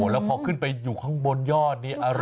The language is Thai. แล้วพอขึ้นไปอยู่ข้างบนยอดนี้อร่อย